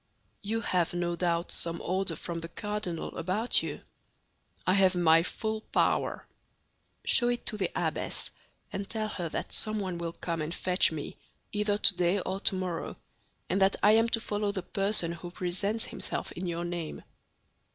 "You have, no doubt, some order from the cardinal about you?" "I have my full power." "Show it to the abbess, and tell her that someone will come and fetch me, either today or tomorrow, and that I am to follow the person who presents himself in your name."